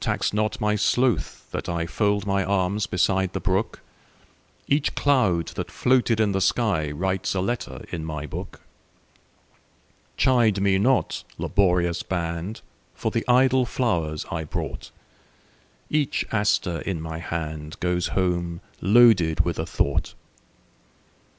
Tax not my sloth that IFold my arms beside the brook; Each cloud that floated in the skyWrites a letter in my book. Chide me not, laborious band, For the idle flowers I brought; Every aster in my handGoes home loaded with a thought.